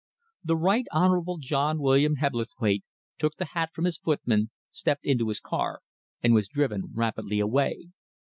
The Right Honourable John William Hebblethwaite took the hat from his footman, stepped into his car, and was driven rapidly away.